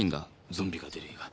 ゾンビが出る映画。